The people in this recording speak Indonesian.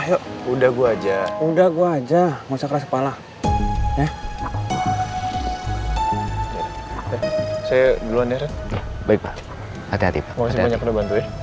yuk udah gue aja udah gue aja ngosok keras kepala ya saya duluan ya baik baik hati hati